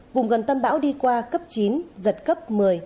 vùng gần tâm bão đi qua cấp chín giật cấp một mươi một mươi một